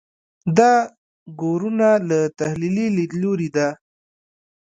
دا ګورنه له تحلیلي لیدلوري ده.